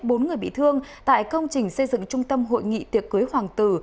bốn người bị thương tại công trình xây dựng trung tâm hội nghị tiệc cưới hoàng tử